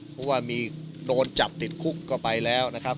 เพราะว่ามีโดนจับติดคุกก็ไปแล้วนะครับ